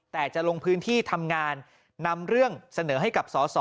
แต่จะลงพื้นที่ทำงานนำเรื่องเสนอให้กับสอสอ